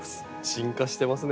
進化してますね。